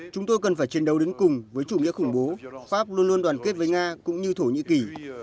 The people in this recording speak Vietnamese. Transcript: chúng tôi cần phải chiến đấu đến cùng với chủ nghĩa khủng bố pháp luôn luôn đoàn kết với nga cũng như thổ nhĩ kỳ